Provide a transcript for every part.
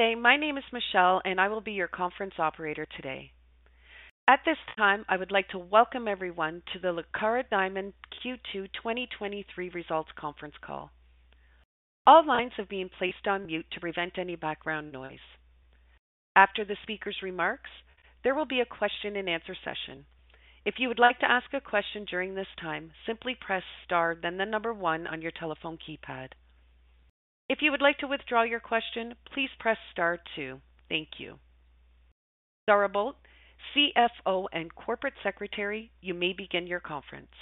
Good day. My name is Michelle, and I will be your conference operator today. At this time, I would like to welcome everyone to the Lucara Diamond Q2 2023 Results Conference Call. All lines have been placed on mute to prevent any background noise. After the speaker's remarks, there will be a question-and-answer session. If you would like to ask a question during this time, simply press star, then one on your telephone keypad. If you would like to withdraw your question, please press star two. Thank you. Zara Boldt, CFO and Corporate Secretary, you may begin your conference.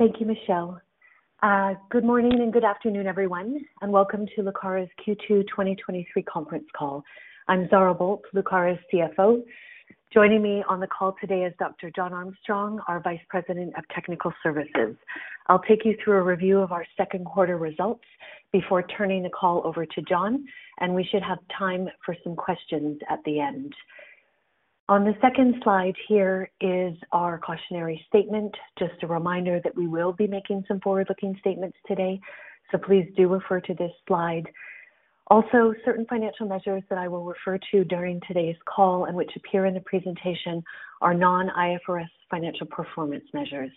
Thank you, Michelle. Good morning and good afternoon, everyone, and welcome to Lucara's Q2 2023 conference call. I'm Zara Boldt, Lucara's CFO. Joining me on the call today is Dr. John Armstrong, our Vice President of Technical Services. I'll take you through a review of our second quarter results before turning the call over to John. We should have time for some questions at the end. On the second slide here is our cautionary statement. Just a reminder that we will be making some forward-looking statements today. Please do refer to this slide. Certain financial measures that I will refer to during today's call and which appear in the presentation are non-IFRS financial performance measures.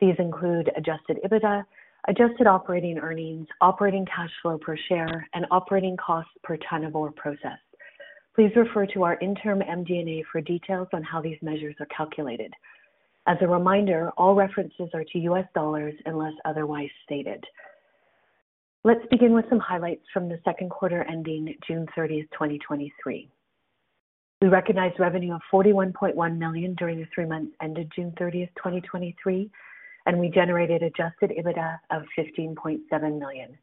These include Adjusted EBITDA, Adjusted operating earnings, Operating cash flow per share, and Operating costs per ton of ore processed. Please refer to our interim MD&A for details on how these measures are calculated. As a reminder, all references are to U.S. dollars unless otherwise stated. Let's begin with some highlights from the second quarter ending 06/30/2023. We recognized revenue of $41.1 million during the 3 months ended 06/30/2023, and we generated Adjusted EBITDA of $15.7 million.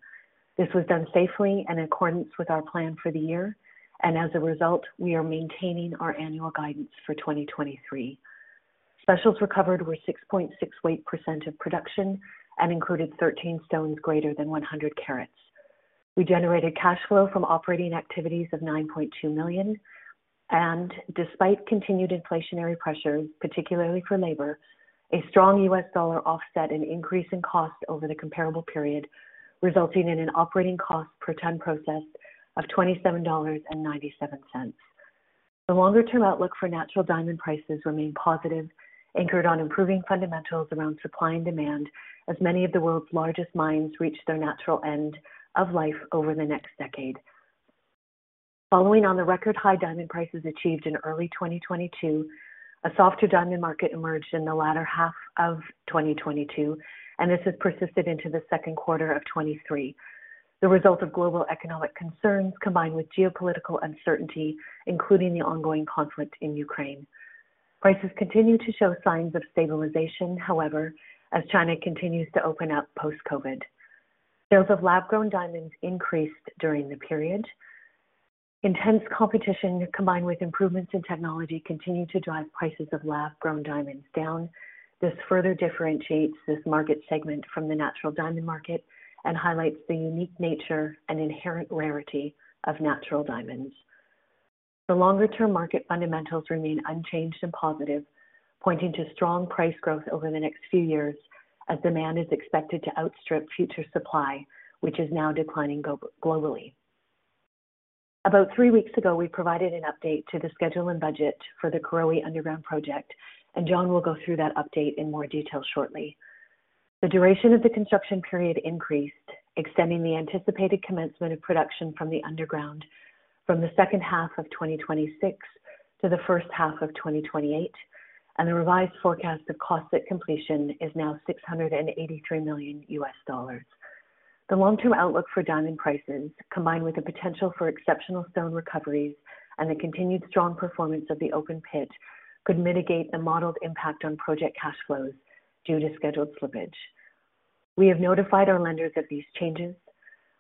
This was done safely and in accordance with our plan for the year, and as a result, we are maintaining our annual guidance for 2023. Specials recovered were 6.6% weight of production and included 13 stones greater than 100 ct. We generated cash flow from operating activities of $9.2 million. Despite continued inflationary pressures, particularly for labor, a strong US dollar offset an increase in cost over the comparable period, resulting in an operating cost per ton processed of $27.97. The longer-term outlook for natural diamond prices remain positive, anchored on improving fundamentals around supply and demand, as many of the world's largest mines reach their natural end of life over the next decade. Following on the record-high diamond prices achieved in early 2022, a softer diamond market emerged in the latter half of 2022. This has persisted into the second quarter of 2023. The result of global economic concerns, combined with geopolitical uncertainty, including the ongoing conflict in Ukraine. Prices continue to show signs of stabilization, however, as China continues to open up post-COVID. Sales of lab-grown diamonds increased during the period. Intense competition, combined with improvements in technology, continued to drive prices of lab-grown diamonds down. This further differentiates this market segment from the natural diamond market and highlights the unique nature and inherent rarity of natural diamonds. The longer-term market fundamentals remain unchanged and positive, pointing to strong price growth over the next few years as demand is expected to outstrip future supply, which is now declining globally. About three weeks ago, we provided an update to the schedule and budget for the Karowe Underground Project. John will go through that update in more detail shortly. The duration of the construction period increased, extending the anticipated commencement of production from the underground from the second half of 2026 to the first half of 2028. The revised forecast of costs at completion is now $683 million. The long-term outlook for diamond prices, combined with the potential for exceptional stone recoveries and the continued strong performance of the open pit, could mitigate the modeled impact on project cash flows due to scheduled slippage. We have notified our lenders of these changes.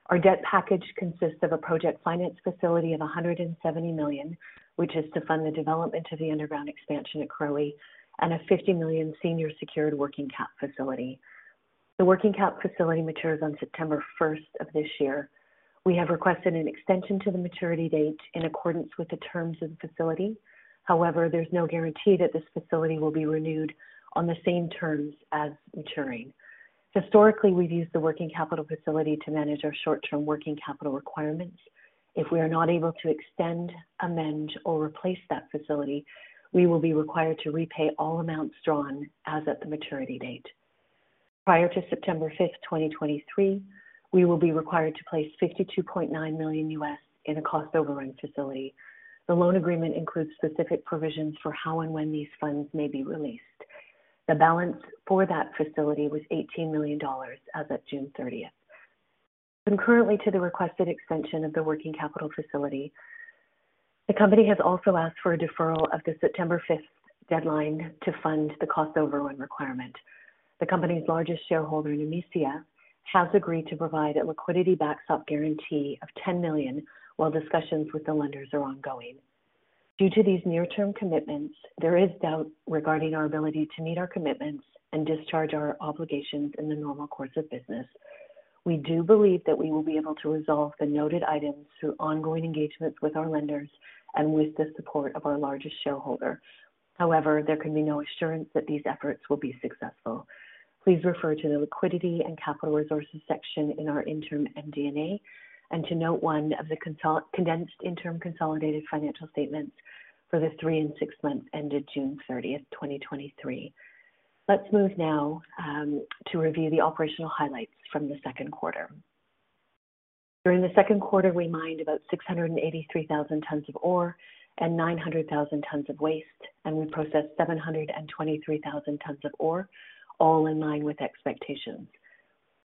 Our debt package consists of a project finance facility of $170 million, which is to fund the development of the underground expansion at Karowe. A $50 million senior secured working capital facility. The working cap facility matures on September 1st of this year. We have requested an extension to the maturity date in accordance with the terms of the facility. There's no guarantee that this facility will be renewed on the same terms as maturing. Historically, we've used the working capital facility to manage our short-term working capital requirements. If we are not able to extend, amend, or replace that facility, we will be required to repay all amounts drawn as of the maturity date. Prior to 09/05/2023, we will be required to place $52.9 million in a cost overrun facility. The loan agreement includes specific provisions for how and when these funds may be released. The balance for that facility was $18 million as of June 30. Concurrently to the requested extension of the working capital facility, the company has also asked for a deferral of the September 5th deadline to fund the cost overrun requirement. The company's largest shareholder, Nemesia, has agreed to provide a liquidity backstop guarantee of $10 million, while discussions with the lenders are ongoing. Due to these near-term commitments, there is doubt regarding our ability to meet our commitments and discharge our obligations in the normal course of business. We do believe that we will be able to resolve the noted items through ongoing engagements with our lenders and with the support of our largest shareholder. There can be no assurance that these efforts will be successful. Please refer to the Liquidity and Capital Resources section in our interim MD&A, and to note one of the condensed interim consolidated financial statements for the 3 and 6 months ended 06/30/2023. Let's move now to review the operational highlights from the second quarter. During the second quarter, we mined about 683,000 tn of ore and 900,000 tn of waste, and we processed 723,000 tn of ore, all in line with expectations.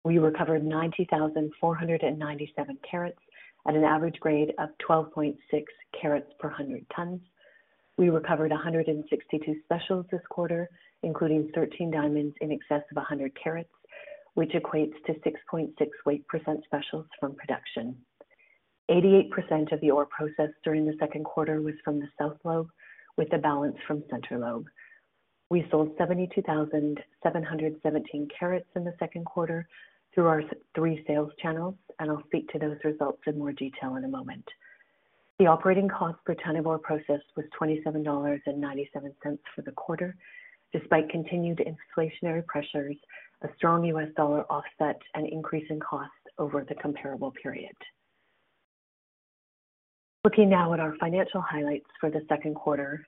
We recovered 90,497 ct at an average grade of 12.6 ct per 100 tn. We recovered 162 Specials this quarter, including 13 diamonds in excess of 100 ct, which equates to 6.6% weight Specials from production. 88% of the ore processed during the second quarter was from the South Lobe, with the balance from Centre Lobe. We sold 72,717 ct in the second quarter through our three sales channels, and I'll speak to those results in more detail in a moment. The operating cost per ton of ore process was $27.97 for the quarter. Despite continued inflationary pressures, a strong US dollar offset an increase in cost over the comparable period. Looking now at our financial highlights for the second quarter.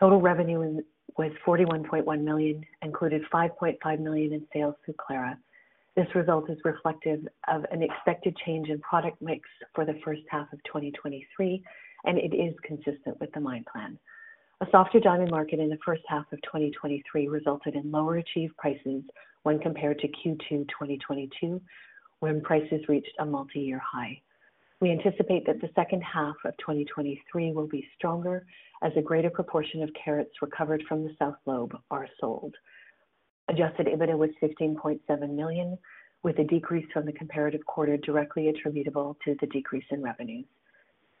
Total revenue was $41.1 million, included $5.5 million in sales through Clara. This result is reflective of an expected change in product mix for the first half of 2023, and it is consistent with the mine plan. A softer diamond market in the first half of 2023 resulted in lower achieved prices when compared to Q2 2022, when prices reached a multi-year high. We anticipate that the second half of 2023 will be stronger as a greater proportion of ct recovered from the South Lobe are sold. Adjusted EBITDA was $16.7 million, with a decrease from the comparative quarter directly attributable to the decrease in revenue.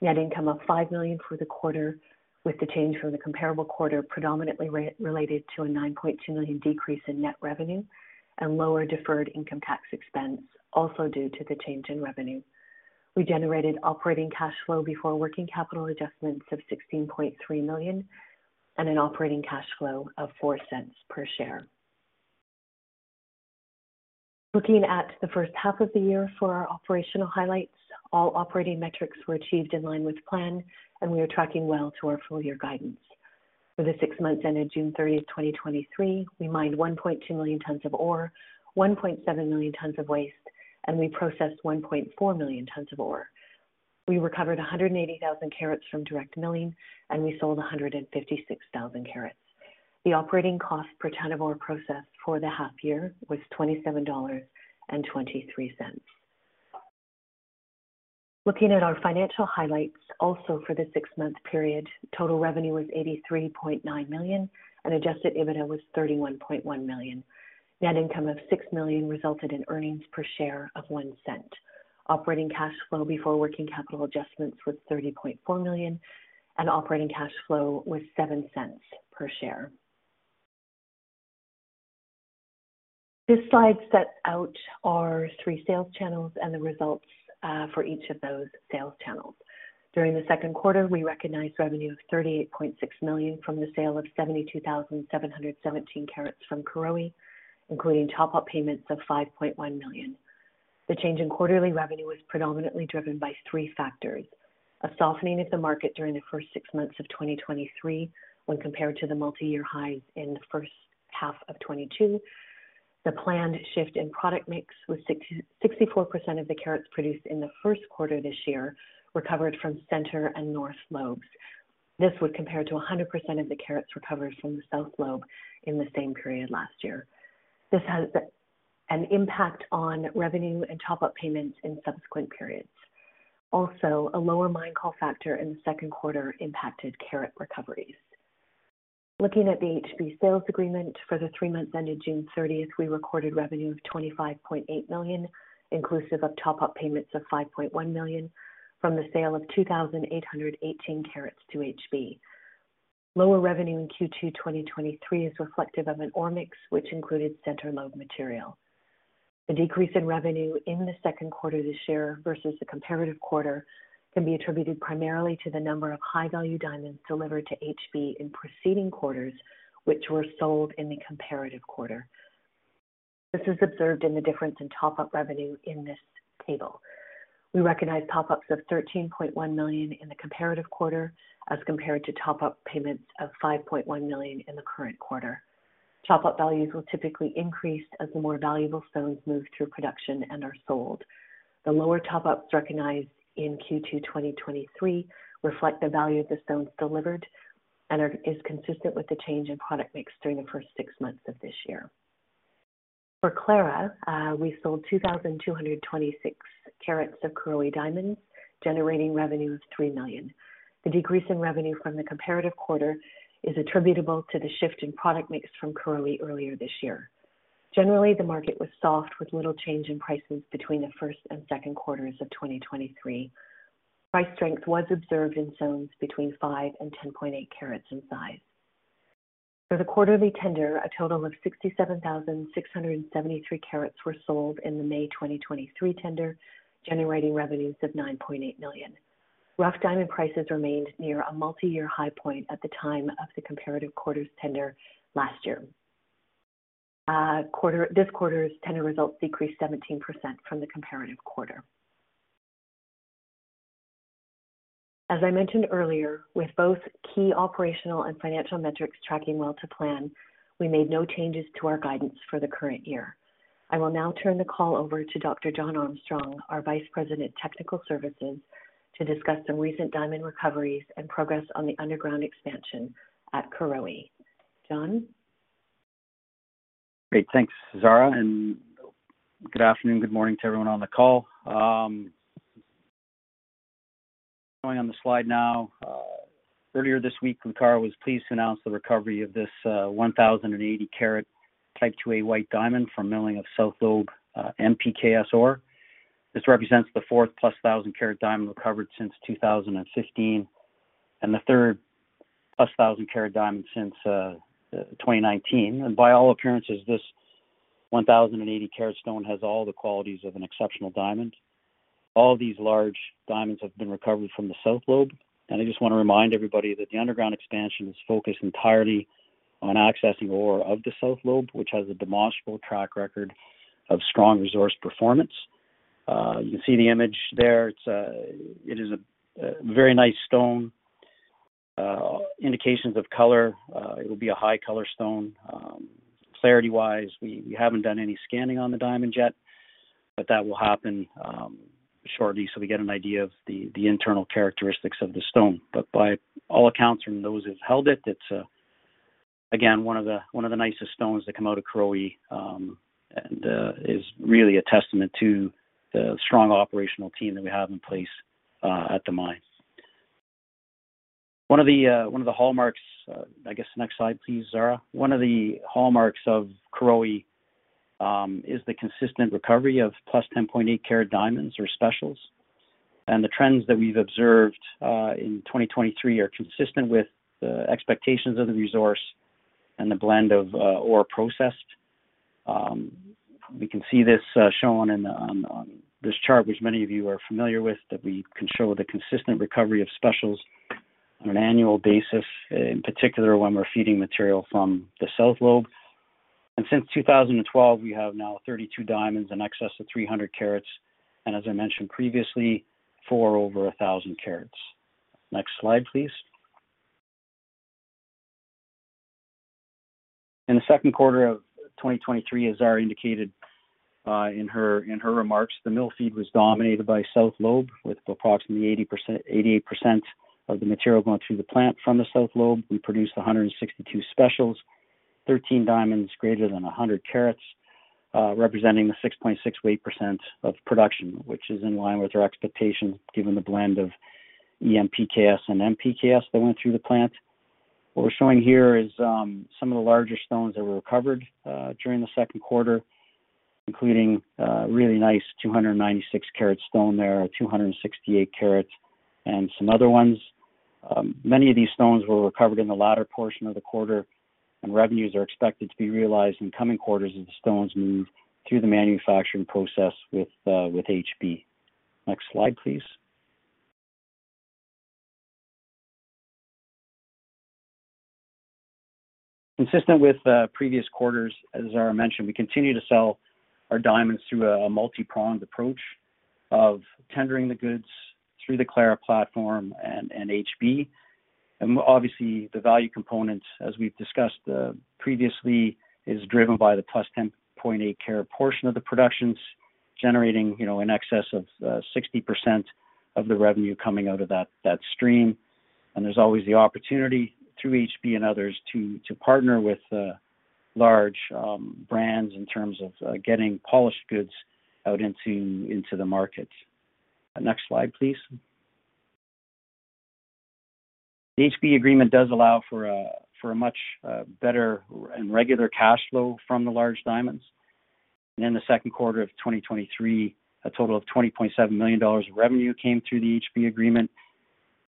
Net income of $5 million for the quarter, with the change from the comparable quarter predominantly related to $9.2 million decrease in net revenue and lower deferred income tax expense, also due to the change in revenue. We generated operating cash flow before working capital adjustments of $16.3 million and an operating cash flow of $0.04 per share. Looking at the first half of the year for our operational highlights, all operating metrics were achieved in line with plan. We are tracking well to our full year guidance. For the six months ended 06/30/2023, we mined 1.2 million tn of ore, 1.7 million tn of waste. We processed 1.4 million tn of ore. We recovered 180,000 ct from direct milling. We sold 156,000 ct. The operating cost per ton of ore processed for the half year was $27.23. Looking at our financial highlights, also for the six-month period, total revenue was $83.9 million. Adjusted EBITDA was $31.1 million. Net income of $6 million resulted in earnings per share of $0.01. Operating cash flow before working capital adjustments was $30.4 million. Operating cash flow was $0.07 per share. This slide sets out our three sales channels and the results for each of those sales channels. During the second quarter, we recognized revenue of $38.6 million from the sale of 72,717 ct from Karowe, including top-up payments of $5.1 million. The change in quarterly revenue was predominantly driven by three factors: A softening of the market during the first six months of 2023 when compared to the multi-year highs in the first half of 2022. The planned shift in product mix, with 64% of the ct produced in the first quarter this year recovered from Centre and North Lobes. This would compare to 100% of the ct recovered from the South Lobe in the same period last year. This has an impact on revenue and top-up payments in subsequent periods. Also, a lower Mine Call Factor in the second quarter impacted carat recoveries. Looking at the HB sales agreement for the 3 months ended June 30th, we recorded revenue of $25.8 million, inclusive of top-up payments of $5.1 million from the sale of 2,818 ct to HB. Lower revenue in Q2 2023 is reflective of an ore mix, which included Centre Lobe material. The decrease in revenue in the second quarter this year versus the comparative quarter can be attributed primarily to the number of high-value diamonds delivered to HB in preceding quarters, which were sold in the comparative quarter. This is observed in the difference in top-up revenue in this table. We recognize top-ups of $13.1 million in the comparative quarter, as compared to top-up payments of $5.1 million in the current quarter. Top-up values will typically increase as the more valuable stones move through production and are sold. The lower top-ups recognized in Q2 2023 reflect the value of the stones delivered and is consistent with the change in product mix during the first six months of this year. For Clara, we sold 2,226 ct of Karowe diamonds, generating revenue of $3 million. The decrease in revenue from the comparative quarter is attributable to the shift in product mix from Karowe earlier this year. Generally, the market was soft, with little change in prices between the first and second quarters of 2023. Price strength was observed in stones between 5 and 10.8 ct in size. For the quarterly tender, a total of 67,673 ct were sold in the May 2023 tender, generating revenues of $9.8 million. Rough diamond prices remained near a multi-year high point at the time of the comparative quarters tender last year. This quarter's tender results decreased 17% from the comparative quarter. As I mentioned earlier, with both key operational and financial metrics tracking well to plan, we made no changes to our guidance for the current year. I will now turn the call over to Dr. John Armstrong, our Vice President, Technical Services, to discuss some recent diamond recoveries and progress on the underground expansion at Karowe. John? Great. Thanks, Zara, and good afternoon, good morning to everyone on the call. Going on the slide now, earlier this week, Lucara was pleased to announce the recovery of this 1,080 ct Type IIa white diamond from milling of South Lobe, MPKS ore. This represents the 4th plus 1,000 ct diamond recovered since 2015, and the 3rd plus 1,000 ct diamond since 2019. By all appearances, this 1,080 ct stone has all the qualities of an exceptional diamond. All these large diamonds have been recovered from the South Lobe. I just want to remind everybody that the underground expansion is focused entirely on accessing ore of the South Lobe, which has a demonstrable track record of strong resource performance. You can see the image there. It's a, it is a, a very nice stone, indications of color. It will be a high-color stone. Clarity-wise, we, we haven't done any scanning on the diamond yet, but that will happen shortly, so we get an idea of the, the internal characteristics of the stone. By all accounts, from those who've held it, it's again, one of the, one of the nicest stones to come out of Karowe, and is really a testament to the strong operational team that we have in place at the mine. One of the, one of the hallmarks, I guess next slide, please, Zara. One of the hallmarks of Karowe is the consistent recovery of plus 10.8 ct diamonds or Specials. The trends that we've observed in 2023 are consistent with the expectations of the resource and the blend of ore processed. We can see this shown on this chart, which many of you are familiar with, that we can show the consistent recovery of Specials on an annual basis, in particular, when we're feeding material from the South Lobe. Since 2012, we have now 32 diamonds in excess of 300 ct, and as I mentioned previously, 4/1,000 ct. Next slide, please. In the second quarter of 2023, as Zara indicated in her remarks, the mill feed was dominated by South Lobe, with approximately 88% of the material going through the plant from the South Lobe. We produced 162 Specials, 13 diamonds greater than 100 ct, representing 6.6% weight of production, which is in line with our expectations, given the blend of EMPKS and MPKS that went through the plant. What we're showing here is some of the larger stones that were recovered during the second quarter, including a really nice 296 ct stone there, 268 ct, and some other ones. Many of these stones were recovered in the latter portion of the quarter, and revenues are expected to be realized in coming quarters as the stones move through the manufacturing process with HB. Next slide, please. Consistent with previous quarters, as Zara mentioned, we continue to sell our diamonds through a multipronged approach of tendering the goods through the Clara platform and HB. Obviously, the value components, as we've discussed, previously, is driven by the plus 10.8 ct portion of the productions, generating, you know, in excess of 60% of the revenue coming out of that stream. There's always the opportunity through HB and others to partner with large brands in terms of getting polished goods out into the market. Next slide, please. The HB agreement does allow for a much better and regular cash flow from the large diamonds. In the second quarter of 2023, a total of $20.7 million of revenue came through the HB agreement,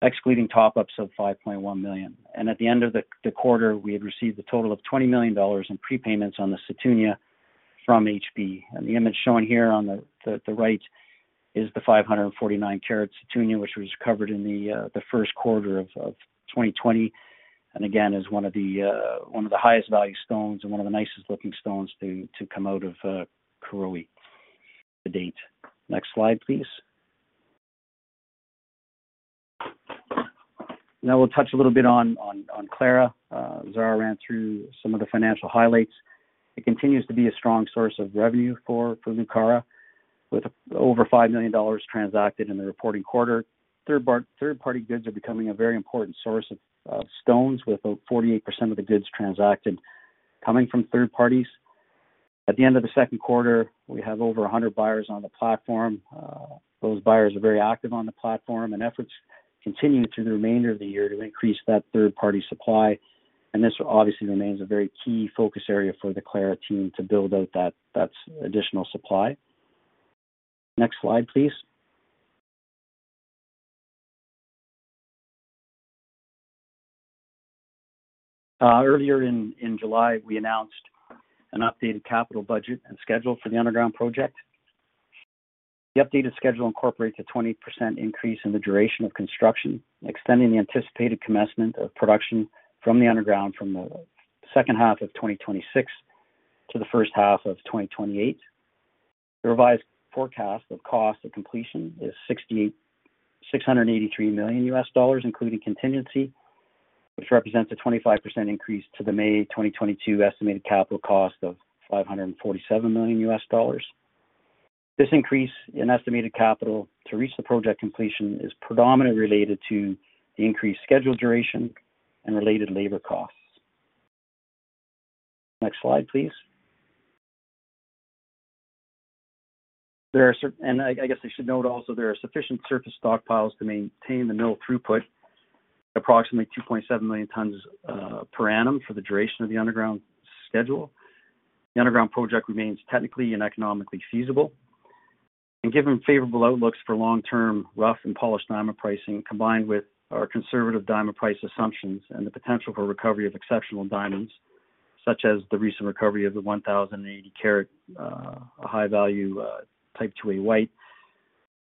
excluding top ups of $5.1 million. At the end of the quarter, we had received a total of $20 million in prepayments on the Sethunya from HB. The image shown here on the, the, the right is the 549 ct Sethunya, which was recovered in the, the first quarter of 2020. Again, is one of the, one of the highest value stones and one of the nicest looking stones to, to come out of, Karowe to date. Next slide, please. Now we'll touch a little bit on, on, on Clara. Zara ran through some of the financial highlights. It continues to be a strong source of revenue for, for Lucara, with over $5 million transacted in the reporting quarter. Third-party goods are becoming a very important source of, of stones, with 48% of the goods transacted coming from third parties. At the end of the second quarter, we have over 100 buyers on the platform. Those buyers are very active on the platform, and efforts continuing through the remainder of the year to increase that third-party supply. This obviously remains a very key focus area for the Clara team to build out that, that additional supply. Next slide, please. Earlier in July, we announced an updated capital budget and schedule for the Underground Project. The updated schedule incorporates a 20% increase in the duration of construction, extending the anticipated commencement of production from the underground, from the second half of 2026 to the first half of 2028. The revised forecast of cost of completion is $683 million, including contingency, which represents a 25% increase to the May 2022 estimated capital cost of $547 million. This increase in estimated capital to reach the project completion is predominantly related to the increased schedule duration and related labor costs. Next slide, please. I, I guess I should note also, there are sufficient surface stockpiles to maintain the mill throughput, approximately 2.7 million tn per annum for the duration of the underground schedule. The underground project remains technically and economically feasible. Given favorable outlooks for long-term rough and polished diamond pricing, combined with our conservative diamond price assumptions and the potential for recovery of exceptional diamonds, such as the recent recovery of the 1,080 ct, a high value, Type IIa white,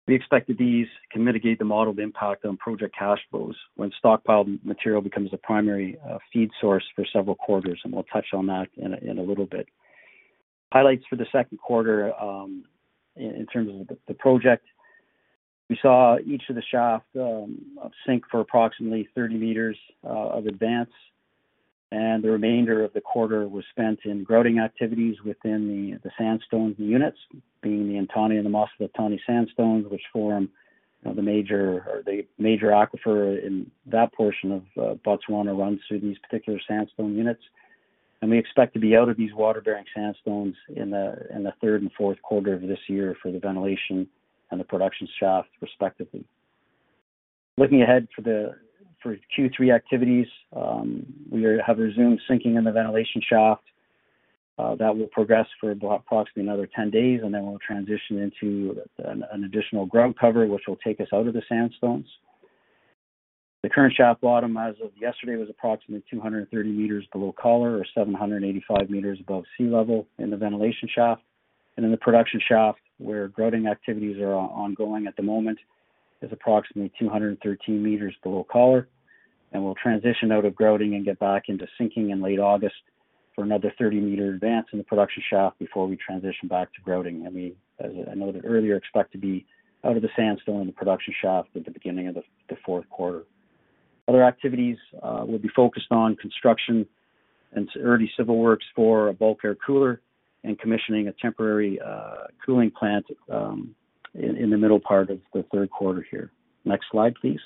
we expect that these can mitigate the modeled impact on project cash flows when stockpiled material becomes the primary feed source for several quarters, and we'll touch on that in a little bit. Highlights for the second quarter, in terms of the project, we saw each of the shaft sink for approximately 30 m of advance, and the remainder of the quarter was spent in grouting activities within the sandstone units, being the Ntane and the MOSFET Ntane sandstones, which form, you know, the major or the major aquifer in that portion of Botswana runs through these particular sandstone units. We expect to be out of these water-bearing sandstones in the third and fourth quarter of this year for the ventilation and the production shaft, respectively. Looking ahead for Q3 activities, we have resumed sinking in the ventilation shaft. That will progress for about approximately another 10 days, and then we'll transition into an additional grout cover, which will take us out of the sandstones. The current shaft bottom as of yesterday, was approximately 230 m below collar, or 785 m above sea level in the ventilation shaft. In the production shaft, where grouting activities are ongoing at the moment, is approximately 213 m below collar, and we'll transition out of grouting and get back into sinking in late August for another 30 m advance in the production shaft before we transition back to grouting. I mean, as I noted earlier, expect to be out of the sandstone in the production shaft at the beginning of the, the fourth quarter. Other activities will be focused on construction and early civil works for a bulk air cooler and commissioning a temporary cooling plant in, in the middle part of the third quarter here. Next slide, please.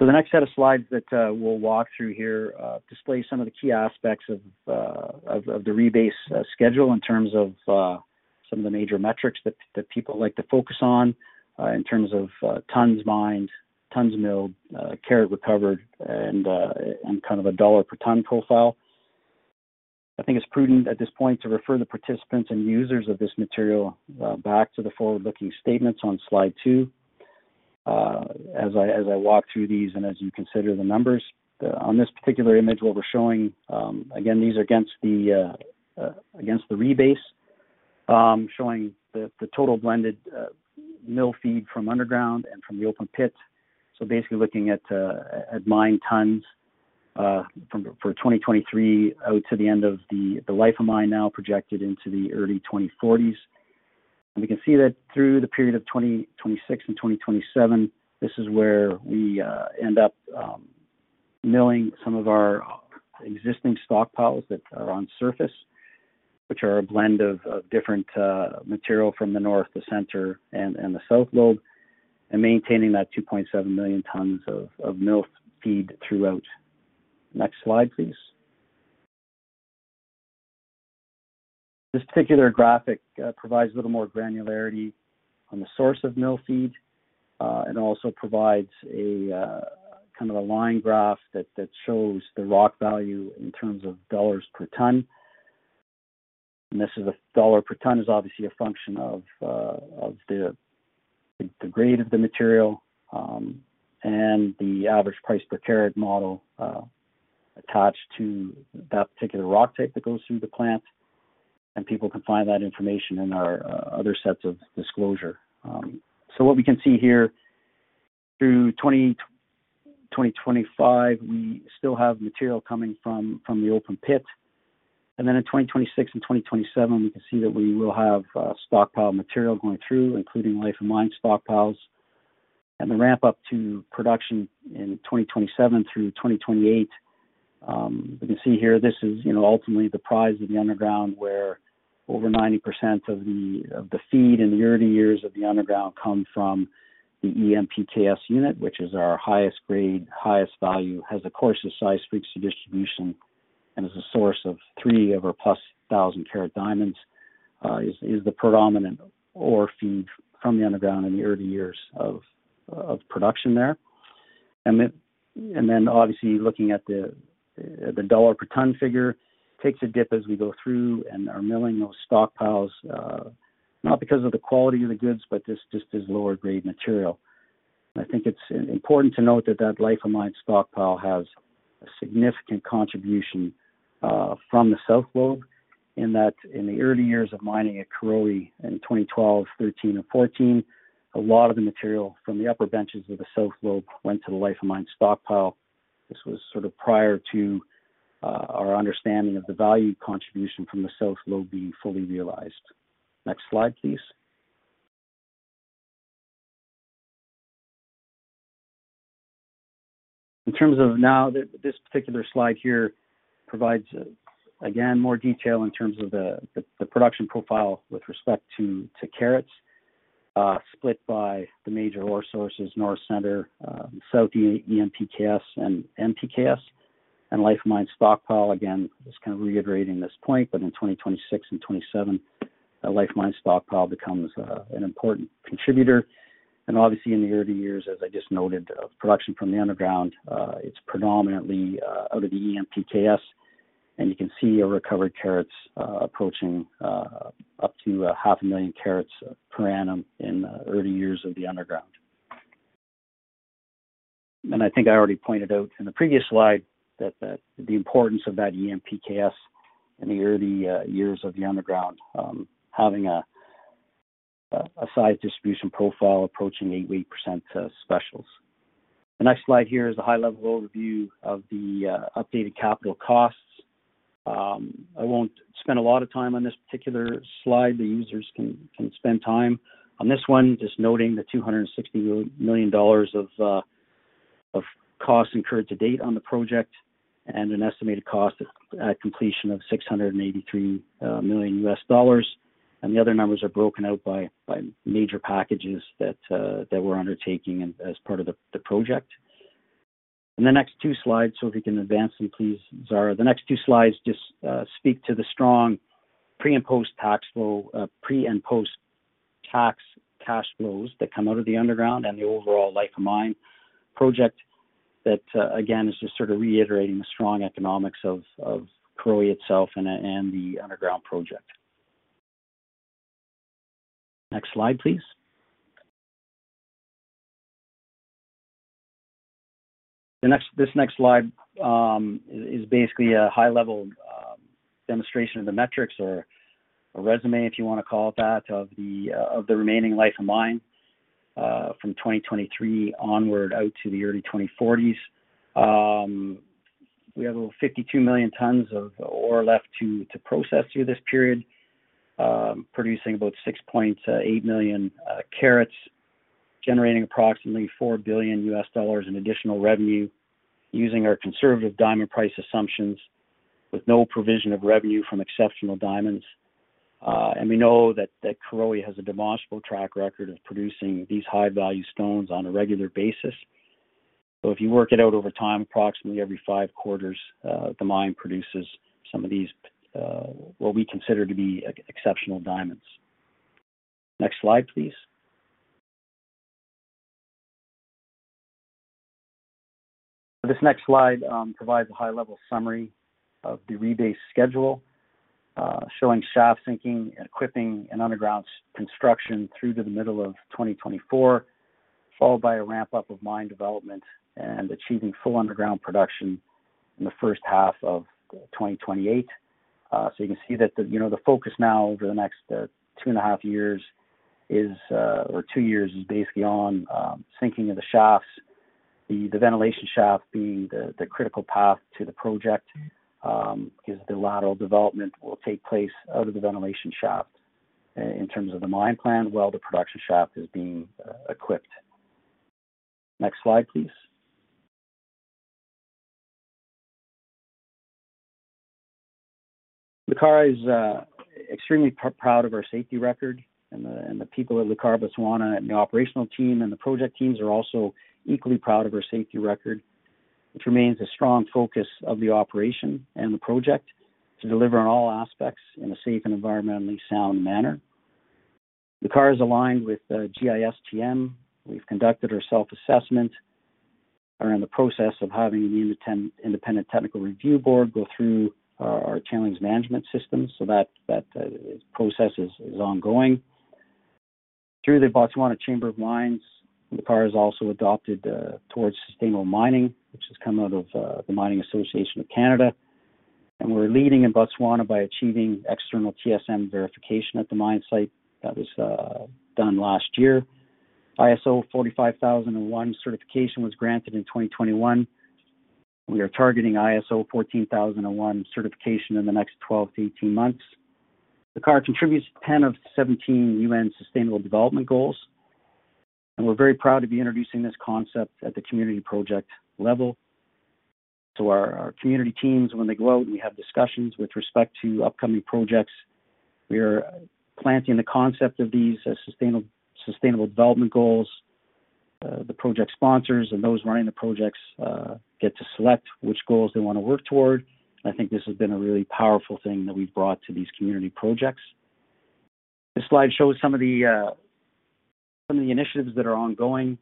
The next set of slides that we'll walk through here display some of the key aspects of the rebase schedule in terms of some of the major metrics that people like to focus on in terms of tn mined, tn milled, carat recovered, and kind of a dollar per ton profile. I think it's prudent at this point to refer the participants and users of this material back to the forward-looking statements on slide two. As I walk through these and as you consider the numbers on this particular image, what we're showing, again, these are against the rebase, showing the total blended mill feed from underground and from the open pit. Basically, looking at mine tn from 2023 out to the end of the life of mine now projected into the early 2040s. We can see that through the period of 2026 and 2027, this is where we end up milling some of our existing stockpiles that are on surface, which are a blend of different material from the North, the Centre Lobe, and the South Lobe, and maintaining that 2.7 million tn of mill feed throughout. Next slide, please. This particular graphic provides a little more granularity on the source of mill feed and also provides a kind of a line graph that shows the rock value in terms of dollars per ton. This is dollar per ton is obviously a function of the grade of the material and the average price per carat model attached to that particular rock type that goes through the plant, and people can find that information in our other sets of disclosure. What we can see here through 2025, we still have material coming from the open pit. In 2026 and 2027, we can see that we will have stockpile material going through, including life of mine stockpiles. The ramp up to production in 2027 through 2028, you can see here this is, you know, ultimately the prize of the underground, where over 90% of the, of the feed in the early years of the underground come from the EMPKS unit, which is our highest grade, highest value, has the coarsest size-frequency distribution, and is a source of three of our plus 1,000 ct diamonds, is, is the predominant ore feed from the underground in the early years of production there. Obviously, looking at the, the dollar per ton figure takes a dip as we go through and are milling those stockpiles, not because of the quality of the goods, but this just is lower grade material. I think it's important to note that that life of mine stockpile has a significant contribution from the South Lobe, in that in the early years of mining at Karowe in 2012, 2013, and 2014, a lot of the material from the upper benches of the South Lobe went to the life of mine stockpile. This was sort of prior to our understanding of the value contribution from the South Lobe being fully realized. Next slide, please. In terms of now, this particular slide here provides, again, more detail in terms of the, the, the production profile with respect to, to carats, split by the 3 major ore sources, North, Centre, South, EMPKS, and MPKS, and life of mine stockpile. Again, just kind of reiterating this point, in 2026 and 2027, a life of mine stockpile becomes an important contributor. Obviously, in the early years, as I just noted, of production from the underground, it's predominantly out of the EMPKS, and you can see recovered ct approaching up to 500,000 ct per annum in the early years of the underground. I think I already pointed out in the previous slide that the importance of that EMPKS in the early years of the underground, having a size-frequency distribution profile approaching 88% specials. The next slide here is a high-level overview of the updated capital costs. I won't spend a lot of time on this particular slide. The users can, can spend time on this one, just noting the $260 million of costs incurred to date on the project and an estimated cost at completion of $683 million. The other numbers are broken out by, by major packages that we're undertaking as part of the project. In the next 2 slides, so if you can advance them, please, Zara. The next 2 slides just speak to the strong pre- and post-tax flow, pre- and post-tax cash flows that come out of the underground and the overall life of mine project. That again, is just sort of reiterating the strong economics of Karowe itself and the underground project. Next slide, please. The next, this next slide, is basically a high-level demonstration of the metrics or a resume, if you want to call it that, of the remaining life of mine, from 2023 onward out to the early 2040s. We have over 52 million tn of ore left to process through this period, producing about 6.8 million ct, generating approximately $4 billion in additional revenue, using our conservative diamond price assumptions, with no provision of revenue from exceptional diamonds. We know that Karowe has a demonstrable track record of producing these high-value stones on a regular basis. If you work it out over time, approximately every 5 quarters, the mine produces some of these, what we consider to be exceptional diamonds. Next slide, please. This next slide provides a high-level summary of the rebased schedule, showing shaft sinking, equipping, and underground construction through to the middle of 2024, followed by a ramp-up of mine development and achieving full underground production in the first half of 2028. You can see that the, you know, the focus now over the next 2.5 years is, or 2 years, is basically on sinking of the shafts, the ventilation shaft being the critical path to the project, because the lateral development will take place out of the ventilation shaft in terms of the mine plan, while the production shaft is being equipped. Next slide, please. Lucara is extremely proud of our safety record, and the, and the people at Lucara Botswana and the operational team and the project teams are also equally proud of our safety record, which remains a strong focus of the operation and the project to deliver on all aspects in a safe and environmentally sound manner. Lucara is aligned with GISTM. We've conducted our self-assessment, are in the process of having an Independent Technical Review Board go through our challenge management system, so that, that process is ongoing. Through the Botswana Chamber of Mines, Lucara has also adopted Towards Sustainable Mining, which has come out of The Mining Association of Canada, and we're leading in Botswana by achieving external TSM verification at the mine site. That was done last year. ISO 45001 certification was granted in 2021. We are targeting ISO 14001 certification in the next 12-18 months. Lucara contributes 10 of 17 U.N. Sustainable Development Goals, we're very proud to be introducing this concept at the community project level. Our, our community teams, when they go out and we have discussions with respect to upcoming projects, we are planting the concept of these as sustainable, sustainable development goals. The project sponsors and those running the projects get to select which goals they want to work toward. I think this has been a really powerful thing that we've brought to these community projects. This slide shows some of the, some of the initiatives that are ongoing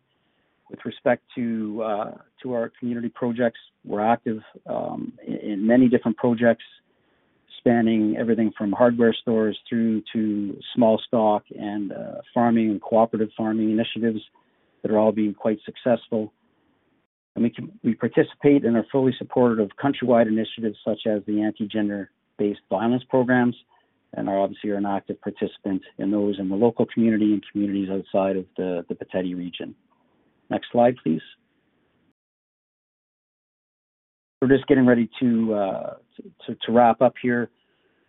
with respect to our community projects. We're active, in, in many different projects, spanning everything from hardware stores through to small stock and farming and cooperative farming initiatives that are all being quite successful. we can- we participate and are fully supportive of countrywide initiatives, such as the anti-gender-based violence programs, and are obviously are an active participant in those in the local community and communities outside of the Boteti region. Next slide, please. We're just getting ready to, to, to, to wrap up here.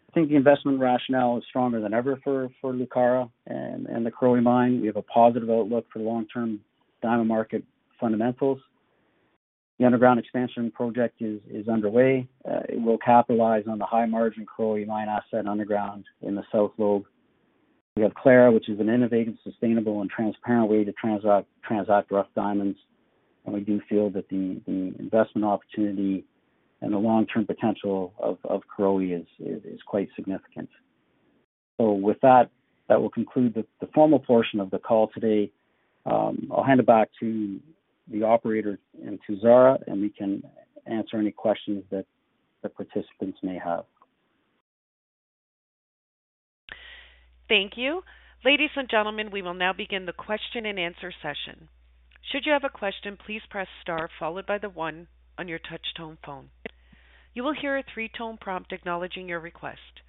I think the investment rationale is stronger than ever for, for Lucara and, and the Karowe mine. We have a positive outlook for the long-term diamond market fundamentals. The underground expansion project is, is underway. it will capitalize on the high-margin Karowe mine asset underground in the South Lobe. We have Clara, which is an innovative, sustainable, and transparent way to transact, transact rough diamonds. We do feel that the, the investment opportunity and the long-term potential of, of Karowe is, is, is quite significant. With that, that will conclude the, the formal portion of the call today. I'll hand it back to the operator and to Zara, and we can answer any questions that the participants may have. Thank you. Ladies and gentlemen, we will now begin the question-and-answer session. Should you have a question, please press star followed by the one on your touch tone phone. You will hear a three-tone prompt acknowledging your request.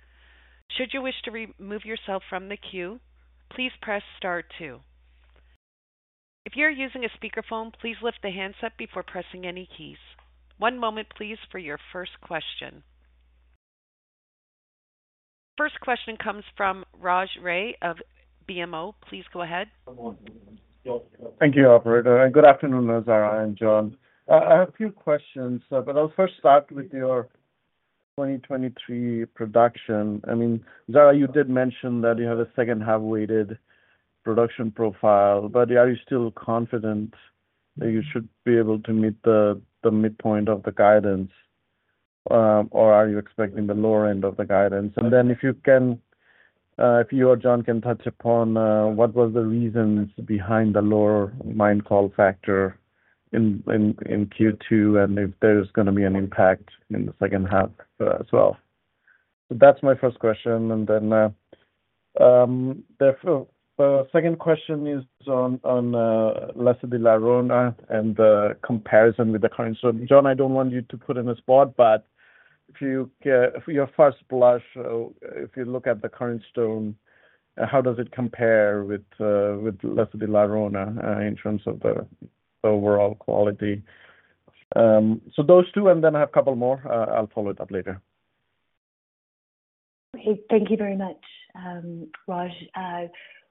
Should you wish to remove yourself from the queue, please press star two. If you're using a speakerphone, please lift the handset before pressing any keys. One moment, please, for your first question. First question comes from Raj Ray of BMO. Please go ahead. Thank you, operator, and good afternoon, Zara Boldt and John Armstrong. I have a few questions, but I'll first start with your 2023 production. I mean, Zara Boldt, you did mention that you have a second half-weighted production profile, but are you still confident that you should be able to meet the midpoint of the guidance? Are you expecting the lower end of the guidance? If you can, if you or John Armstrong can touch upon, what was the reasons behind the lower Mine Call Factor in Q2, and if there's gonna be an impact in the second half, as well. That's my first question, the second question is on Lesedi La Rona and the comparison with the current stone. John, I don't want you to put in a spot, but if you, if your first blush, if you look at the current stone, how does it compare with Lesedi La Rona in terms of the overall quality? So those two, and then I have 2 more, I'll follow it up later. Thank you very much, Raj.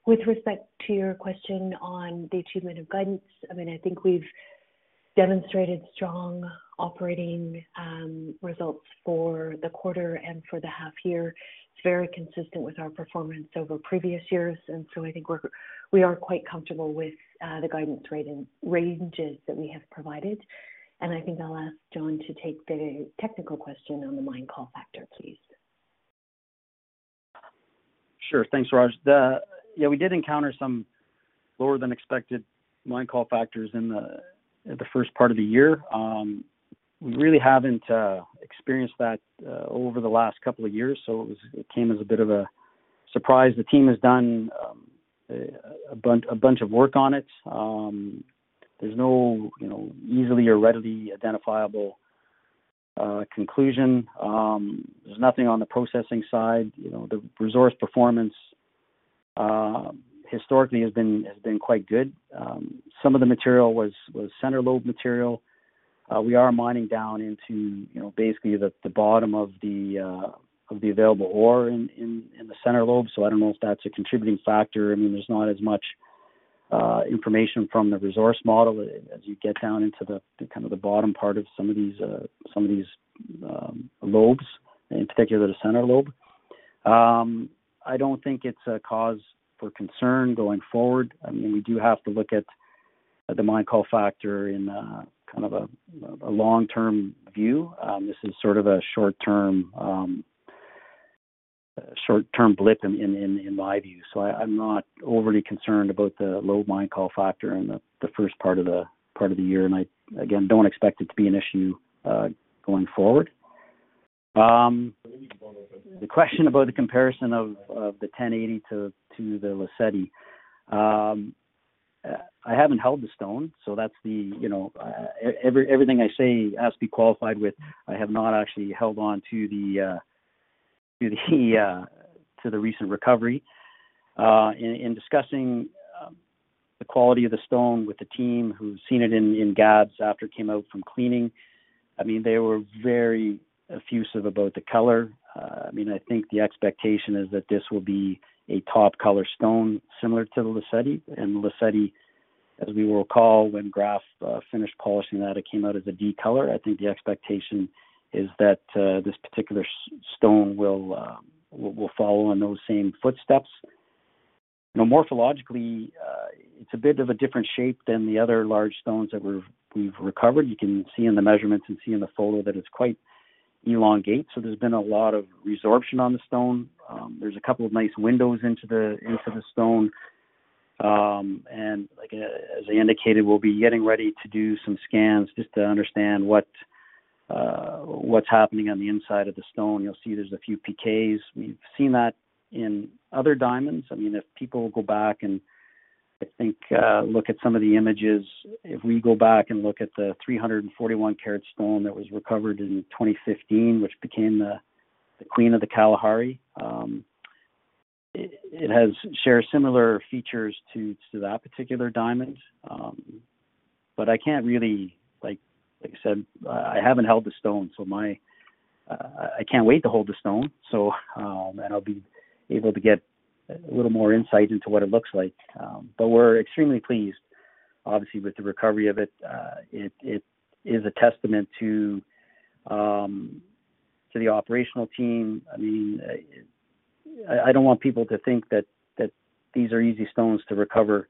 With respect to your question on the achievement of guidance, I mean, I think we've demonstrated strong operating, results for the quarter and for the half year. It's very consistent with our performance over previous years. So I think we're, we are quite comfortable with, the guidance rating, ranges that we have provided. I think I'll ask John to take the technical question on the Mine Call Factor, please. Sure. Thanks, Raj. Yeah, we did encounter some lower-than-expected Mine Call Factors in the first part of the year. We really haven't experienced that over the last couple of years, so it was, it came as a bit of a surprise. The team has done a bunch of work on it. There's no, you know, easily or readily identifiable conclusion. There's nothing on the processing side. You know, the resource performance historically has been quite good. Some of the material was Centre Lobe material. We are mining down into, you know, basically the bottom of the available ore in the Centre Lobe. I don't know if that's a contributing factor. I mean, there's not as much information from the resource model as you get down into the, the kind of the bottom part of some of these, some of these, lobes, in particular, the Centre Lobe. I don't think it's a cause for concern going forward. I mean, we do have to look at the Mine Call Factor in a, kind of a, a long-term view. This is sort of a short term, short-term blip in, in, in, in my view. I, I'm not overly concerned about the low Mine Call Factor in the, the first part of the, part of the year. I, again, don't expect it to be an issue going forward. The question about the comparison of, of the 1080 to, to the Lesedi. I haven't held the stone, so that's the, you know, everything I say has to be qualified with, I have not actually held on to the, to the, to the recent recovery. In, in discussing the quality of the stone with the team who's seen it in, in Gaborone after it came out from cleaning, I mean, they were very effusive about the color. I mean, I think the expectation is that this will be a top color stone, similar to the Lesedi. Lesedi, as we will recall, when Graff finished polishing, that it came out as a D color. I think the expectation is that this particular stone will, will, will follow on those same footsteps. You know, morphologically,... It's a bit of a different shape than the other large stones that we've, we've recovered. You can see in the measurements and see in the photo that it's quite elongate, so there's been a lot of resorption on the stone. There's a couple of nice windows into the, into the stone. Like, as I indicated, we'll be getting ready to do some scans just to understand what's happening on the inside of the stone. You'll see there's a few PKs. We've seen that in other diamonds. I mean, if people go back and, I think, look at some of the images, if we go back and look at the 341 ct stone that was recovered in 2015, which became the, The Queen of the Kalahari, it, it has shared similar features to, to that particular diamond. I can't really, like, like I said, I haven't held the stone, so my, I can't wait to hold the stone. And I'll be able to get a little more insight into what it looks like. We're extremely pleased, obviously, with the recovery of it. It, it is a testament to, to the operational team. I mean, I, I don't want people to think that, that these are easy stones to recover.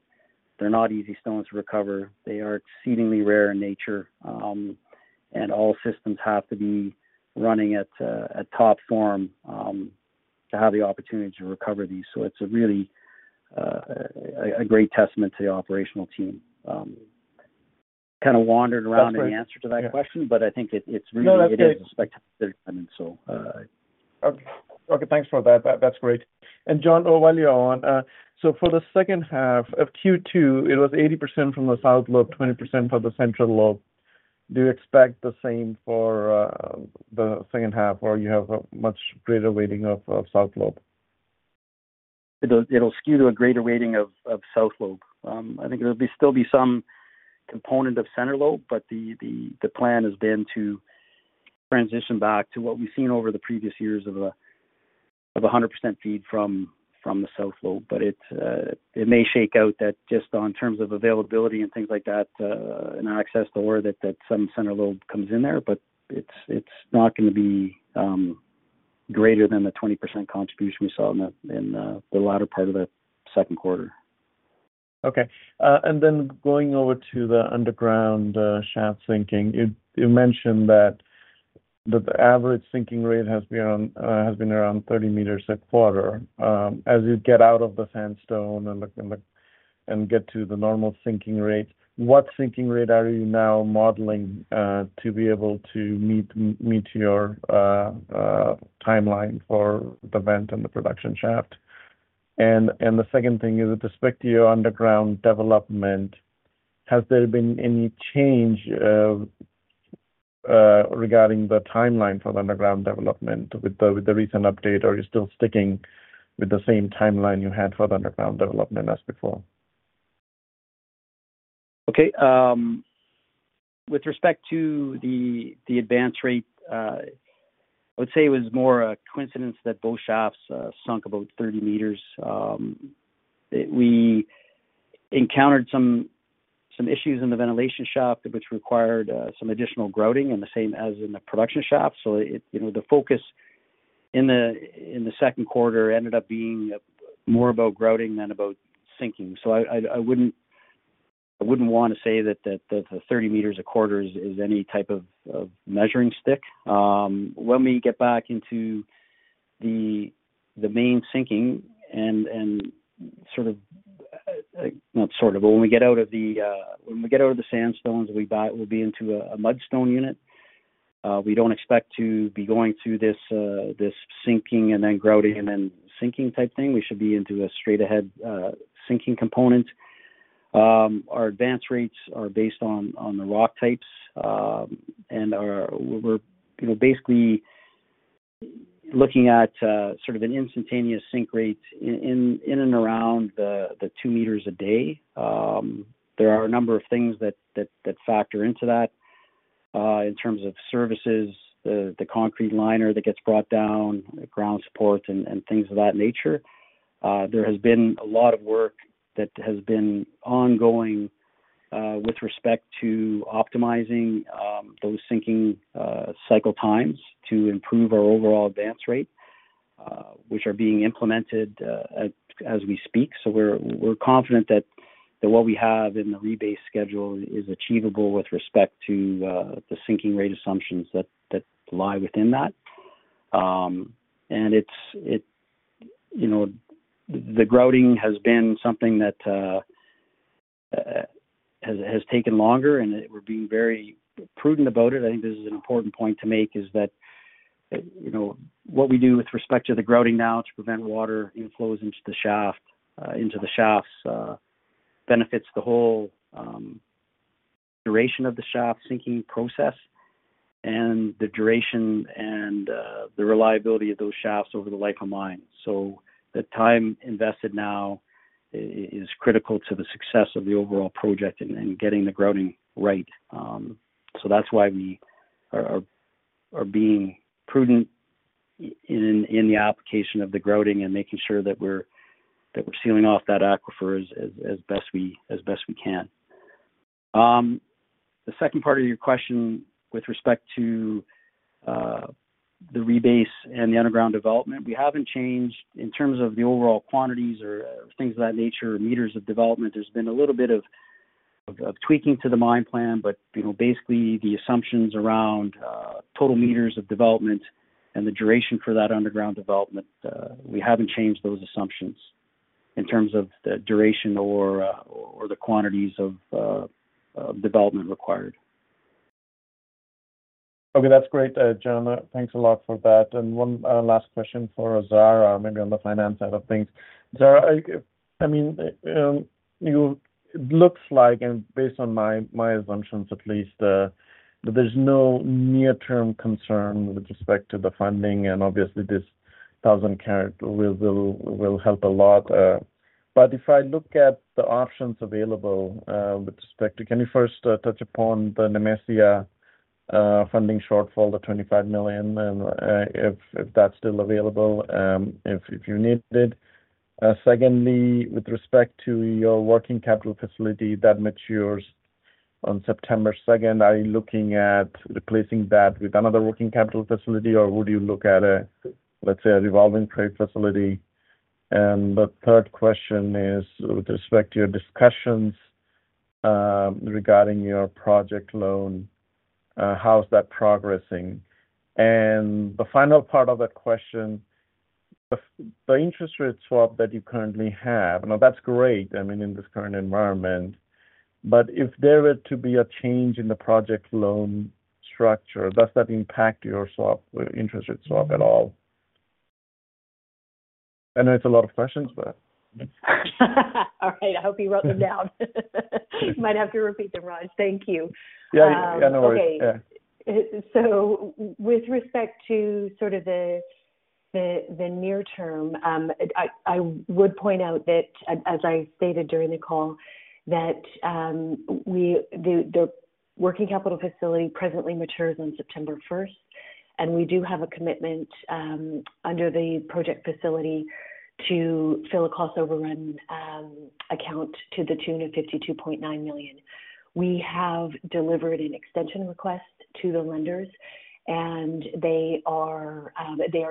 They're not easy stones to recover. They are exceedingly rare in nature, and all systems have to be running at, at top form, to have the opportunity to recover these. It's a really, a, a great testament to the operational team. Kind of wandered around. That's right. in the answer to that question, but I think it, it's really- No, that's great. It is a spectacular diamond. Okay. Okay, thanks for that, that, that's great. John, oh, while you're on, for the second half of Q2, it was 80% from the South Lobe, 20% for the Centre Lobe. Do you expect the same for the second half, or you have a much greater weighting of, of South Lobe? It'll, it'll skew to a greater weighting of, of South Lobe. I think there'll be still be some component of Centre Lobe, but the, the, the plan has been to transition back to what we've seen over the previous years of a, of a 100% feed from, from the South Lobe. It may shake out that just on terms of availability and things like that, and our access to ore, that, that some Centre Lobe comes in there, but it's, it's not gonna be greater than the 20% contribution we saw in the, in the latter part of the second quarter. Okay. Then going over to the underground, shaft sinking. You, you mentioned that the, the average sinking rate has been around, has been around 30 m a quarter. As you get out of the sandstone and the, and the, and get to the normal sinking rate, what sinking rate are you now modeling, to be able to meet, meet your, timeline for the vent and the production shaft? The second thing is, with respect to your underground development, has there been any change, regarding the timeline for the underground development with the, with the recent update, or are you still sticking with the same timeline you had for the underground development as before? Okay, with respect to the, the advance rate, I would say it was more a coincidence that both shafts sunk about 30 m. We encountered some, some issues in the ventilation shaft, which required some additional grouting and the same as in the production shaft. It, you know, the focus in the, in the second quarter ended up being more about grouting than about sinking. I, I, I wouldn't, I wouldn't want to say that the, the, the 30 m a quarter is, is any type of, of measuring stick. When we get back into the, the main sinking and, and sort of, not sort of, but when we get out of the, when we get out of the sandstones, we'll be into a, a mudstone unit. We don't expect to be going through this, this sinking and then grouting and then sinking type thing. We should be into a straight-ahead, sinking component. Our advance rates are based on, on the rock types, and are, we're, you know, basically looking at, sort of an instantaneous sink rate in, in, in and around the, the 2 m a day. There are a number of things that, that, that factor into that, in terms of services, the, the concrete liner that gets brought down, the ground support, and, and things of that nature. There has been a lot of work that has been ongoing, with respect to optimizing, those sinking, cycle times to improve our overall advance rate, which are being implemented, as, as we speak. We're, we're confident that, that what we have in the rebase schedule is achievable with respect to the sinking rate assumptions that, that lie within that. It's, you know, the grouting has been something that has taken longer, and we're being very prudent about it. I think this is an important point to make, is that, you know, what we do with respect to the grouting now to prevent water from flowing into the shaft, into the shafts, benefits the whole duration of the shaft sinking process and the duration and the reliability of those shafts over the life of mine. The time invested now is critical to the success of the overall project and, and getting the grouting right. That's why we are, are, are being prudent in, in the application of the grouting and making sure that we're, that we're sealing off that aquifer as, as, as best we, as best we can. The second part of your question with respect to the rebase and the underground development, we haven't changed in terms of the overall quantities or things of that nature, m of development. There's been a little bit of, of tweaking to the mine plan, but, you know, basically the assumptions around total m of development and the duration for that underground development, we haven't changed those assumptions in terms of the duration or or the quantities of of development required. Okay, that's great, John. Thanks a lot for that. One last question for Zara, maybe on the finance side of things. Zara, I mean, you, it looks like, and based on my, my assumptions at least, that there's no near-term concern with respect to the funding, and obviously this 1,000 ct will, will, will help a lot. If I look at the options available, with respect to, can you first touch upon the Nemesia funding shortfall, the $25 million, and if that's still available, if you need it? Secondly, with respect to your working capital facility that matures on September 2nd, are you looking at replacing that with another working capital facility, or would you look at a, let's say, a revolving trade facility? The third question is, with respect to your discussions, regarding your project loan, how's that progressing? The final part of that question, the, the interest rate swap that you currently have, now that's great, I mean, in this current environment. If there were to be a change in the project loan structure, does that impact your swap, interest rate swap at all? I know it's a lot of questions, but. All right, I hope you wrote them down. You might have to repeat them, Raj. Thank you. Yeah, yeah, no worries. Okay. Yeah. With respect to sort of the, the, the near term, I would point out that, as I stated during the call, that the working capital facility presently matures on September 1st, and we do have a commitment under the project facility to fill a cost overrun account to the tune of $52.9 million. We have delivered an extension request to the lenders, they are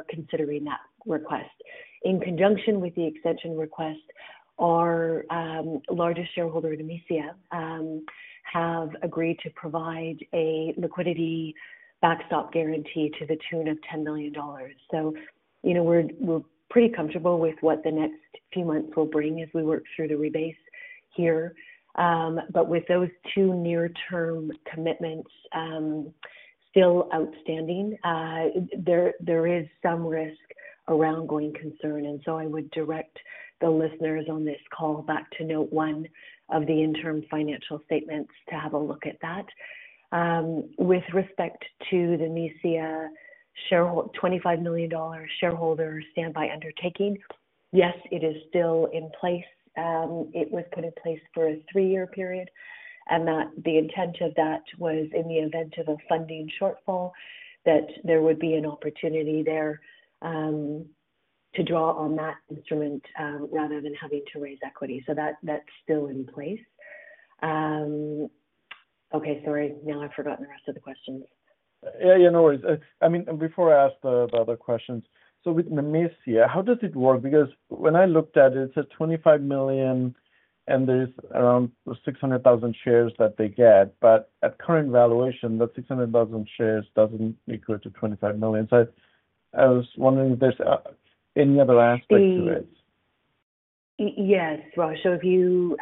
considering that request. In conjunction with the extension request, our largest shareholder, Nemesia, have agreed to provide a liquidity backstop guarantee to the tune of $10 million. You know, we're pretty comfortable with what the next few months will bring as we work through the rebase here. But with those two near-term commitments, still outstanding, there, there is some risk around going concern, and I would direct the listeners on this call back to note one of the interim financial statements to have a look at that. With respect to the Nemesia shareholder, $25 million shareholder standby undertaking, yes, it is still in place. It was put in place for a 3-year period, and that the intent of that was in the event of a funding shortfall, that there would be an opportunity there, to draw on that instrument, rather than having to raise equity. That, that's still in place. Okay, sorry. Now I've forgotten the rest of the questions. Yeah, yeah, no worries. I mean, before I ask other questions, with Nemesia, how does it work? Because when I looked at it, it said $25 million, and there's around 600,000 shares that they get. At current valuation, that 600,000 shares doesn't equate to $25 million. I was wondering if there's any other aspects to it. Yes, Raj. If you,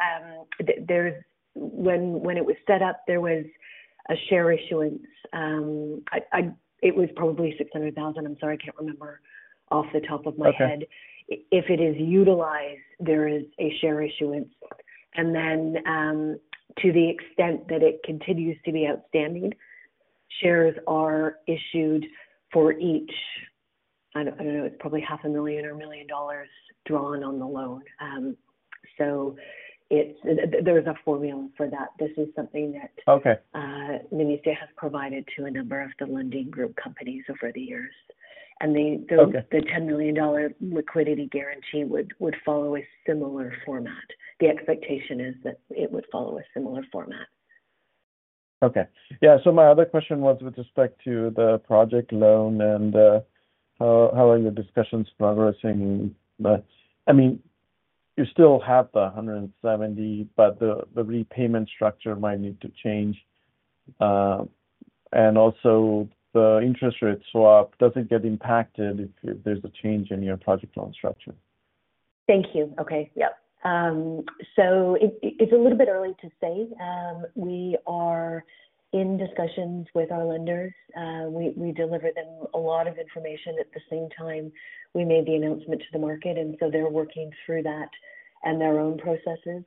there, when, when it was set up, there was a share issuance. I, I, it was probably 600,000. I'm sorry, I can't remember off the top of my head. Okay. If it is utilized, there is a share issuance. To the extent that it continues to be outstanding, shares are issued for each, it's probably $500,000 or $1 million drawn on the loan. It's... There's a formula for that. Okay. Nemesia has provided to a number of the lending group companies over the years. Okay. The $10 million liquidity guarantee would follow a similar format. The expectation is that it would follow a similar format. Okay. Yeah, my other question was with respect to the project loan and how, how are your discussions progressing? I mean, you still have the $170 million, but the repayment structure might need to change. The interest rate swap, does it get impacted if there's a change in your project loan structure? Thank you. Okay. Yep. It, it's a little bit early to say. We are in discussions with our lenders. We, we delivered them a lot of information at the same time we made the announcement to the market, and so they're working through that and their own processes.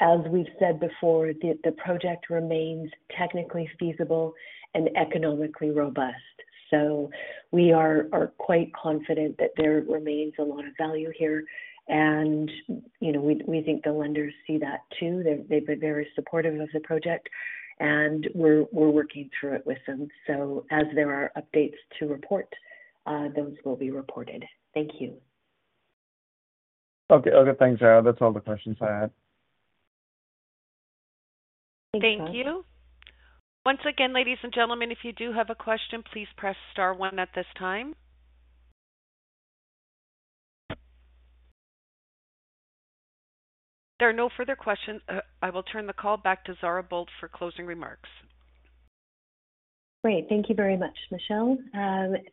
As we've said before, the, the project remains technically feasible and economically robust. We are, are quite confident that there remains a lot of value here, and you know, we, we think the lenders see that too. They've, they've been very supportive of the project, and we're, we're working through it with them. As there are updates to report, those will be reported. Thank you. Okay. Okay, thanks, Zara. That's all the questions I had. Thank you. Once again, ladies and gentlemen, if you do have a question, please press star 1 at this time. If there are no further questions, I will turn the call back to Zara Boldt for closing remarks. Great. Thank you very much, Michelle.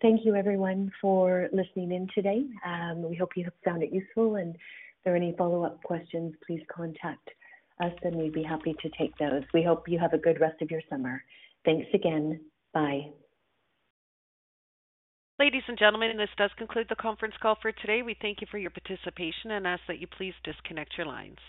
Thank you everyone for listening in today. We hope you have found it useful. If there are any follow-up questions, please contact us and we'd be happy to take those. We hope you have a good rest of your summer. Thanks again. Bye. Ladies and gentlemen, this does conclude the conference call for today. We thank you for your participation and ask that you please disconnect your lines.